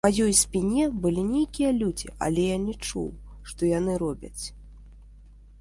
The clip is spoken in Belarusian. За маёй спіне былі нейкія людзі, але я не чуў, што яны робяць.